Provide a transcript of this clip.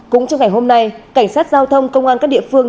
cũng trong ngày hôm nay cảnh sát giao thông công an các địa phương